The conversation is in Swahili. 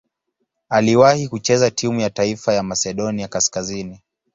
Aliwahi kucheza timu ya taifa ya Masedonia Kaskazini.